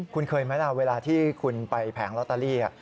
คุณเคยไหมล่ะเวลาที่คุณไปแผงลอตเตอรี่